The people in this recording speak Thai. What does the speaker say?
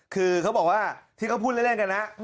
คือเขาบอกว่าที่เขาพูดเล่นกันนะ